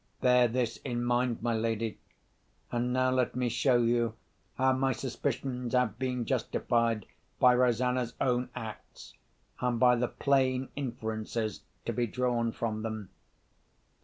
Bear this in mind, my lady; and now let me show you how my suspicions have been justified by Rosanna's own acts, and by the plain inferences to be drawn from them."